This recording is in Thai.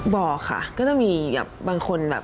บอกค่ะก็จะมีแบบบางคนแบบ